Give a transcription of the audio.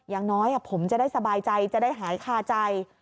อย่างน้อยผมจะได้สบายใจจะได้หายคาใจ